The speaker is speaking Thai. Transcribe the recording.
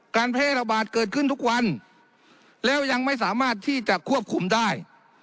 แพร่ระบาดเกิดขึ้นทุกวันแล้วยังไม่สามารถที่จะควบคุมได้